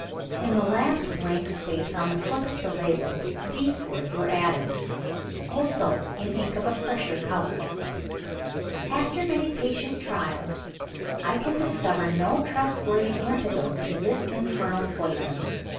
In the last blank space left at the foot of the label, these words were added also in ink of a fresher color: "After many patient trials, I can discover no trustworthy antidote to this infernal poison.